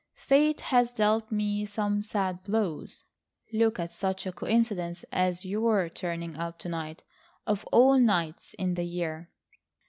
Fate has dealt me some sad blows. Look at such a coincidence as your turning up to night, of all nights in the year."